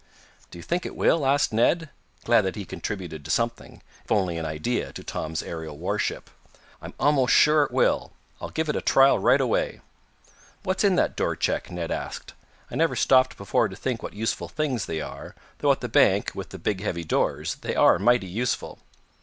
"Do you think it will?" asked Ned, glad that he had contributed something, if only an idea, to Tom's aerial warship. "I'm almost sure it will. I'll give it a trial right away." "What's in that door check?" Ned asked. "I never stopped before to think what useful things they are, though at the bank, with the big, heavy doors, they are mighty useful."